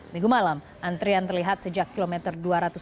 minggu malam antrian terlihat sejak kilometer dua ratus delapan